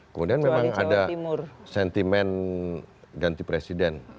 kemudian memang ada sentimen ganti presiden